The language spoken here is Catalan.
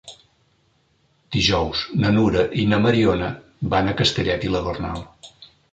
Dijous na Nura i na Mariona van a Castellet i la Gornal.